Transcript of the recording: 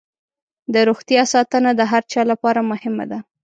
د روغتیا ساتنه د هر چا لپاره مهمه ده.